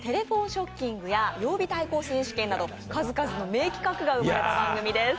ショッキングや曜日対抗選手権など数々の名企画が生まれた番組です。